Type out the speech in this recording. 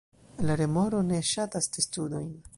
La remoro ne ŝatas testudojn.